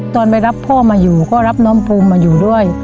ตอนไปรับพ่อมาอยู่ก็รับน้องภูมิมาอยู่ด้วย